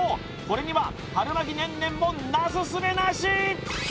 これには春巻きねんねんもなすすべなし！